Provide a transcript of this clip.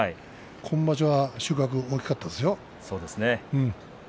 今場所は収穫、大きかったですよ。